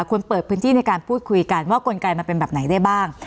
ควรเปิดพื้นที่ในการพูดคุยกันว่ากลไกมันเป็นแบบไหนได้บ้าง